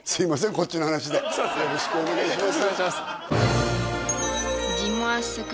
こっちの話でよろしくお願いします